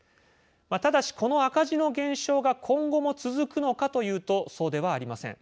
ただし、この赤字の減少が今後も続くのかというとそうではありません。